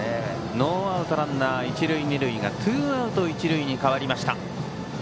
ノーアウトランナー、一塁二塁がツーアウト、一塁に変わった。